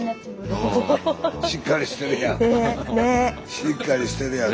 しっかりしてるやん。